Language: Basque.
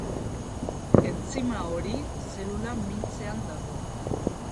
Entzima hori zelula mintzean dago.